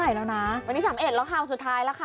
วันที่สามเอ็ดแล้วค่ะวันสุดท้ายแล้วค่ะ